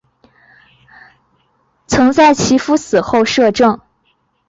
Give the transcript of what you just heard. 曾在其夫死后摄政。